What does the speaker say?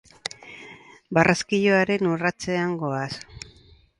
Barraskiloaren urratsean goaz.